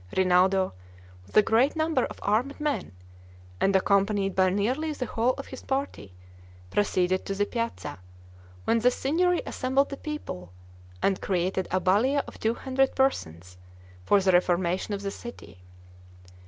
Rinaldo, with a great number of armed men, and accompanied by nearly the whole of his party, proceeded to the piazza, when the Signory assembled the people, and created a Balia of two hundred persons for the reformation of the city.